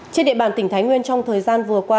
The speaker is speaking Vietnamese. trên địa bàn tỉnh thái nguyên trong thời gian vừa qua